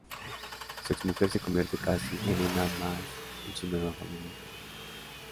Su exmujer se convierte casi en una más en su nueva familia.